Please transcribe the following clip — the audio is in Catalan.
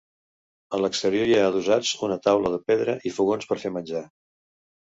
A l'exterior hi ha adossats una taula de pedra i fogons per fer menjar.